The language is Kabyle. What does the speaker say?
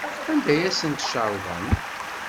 Anda ay asent-tcerḍem?